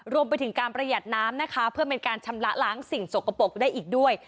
รวมไปถึงการประหยัดน้ำนะคะเพื่อเป็นการชำระล้างสิ่งสกปรกได้อีกด้วย